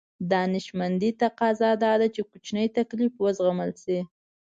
دانشمندي تقاضا دا ده چې کوچنی تکليف وزغمل شي.